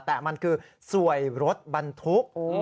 แต่มันคือสวยรถบรรทุก